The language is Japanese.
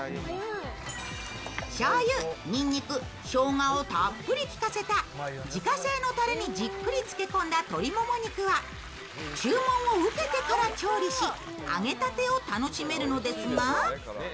しょうゆ、にんにく、しょうがをたっぷり効かせた自家製のたれに漬け込んだ鶏もも肉は注文を受けてから調理し、揚げたてを楽しめるのですが。